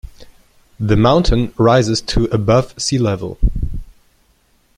The mountain rises to above sea level.